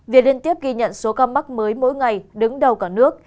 việc liên tiếp ghi nhận số ca mắc mới mỗi ngày đứng đầu cả nước